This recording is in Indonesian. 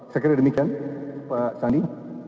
saya kira demikian pak sandi